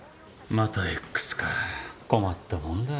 またＸか困ったもんだ。